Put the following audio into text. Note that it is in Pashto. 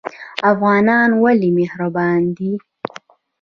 افغانان ولې مهربان دي؟